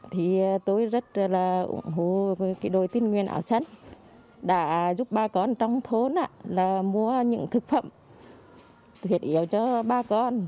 thì tôi rất là ủng hộ cái đội tin nguyên ảo sân đã giúp ba con trong thốn là mua những thực phẩm thiết yếu cho ba con